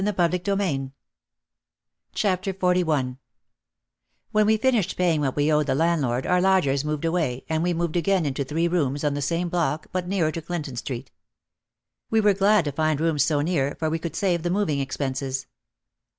186 OUT OF THE SHADOW XLI When we finished paying what we owed the land lord, our lodgers moved away, and we moved again into three rooms on the same block but nearer to Clinton Street. We were glad to find rooms so near, for we could save the moving expenses.